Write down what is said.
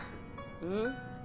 うん？